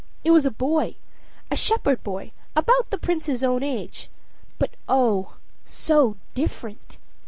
It was a boy, a shepherd boy, about the Prince's own age but, oh! so different.